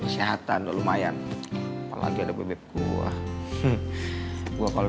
sehatan lumayan lagi ada bebek gua gua kalau